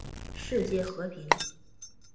世界和平